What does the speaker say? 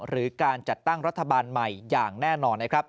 หรือการจัดตั้งรัฐบาลใหม่อย่างแน่นอนนะครับ